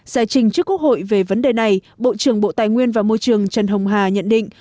giải trình trước quốc hội về vấn đề này bộ trưởng bộ tài nguyên và môi trường trần hồng hà nhận định